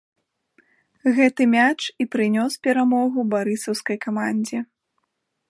Гэты мяч і прынёс перамогу барысаўскай камандзе.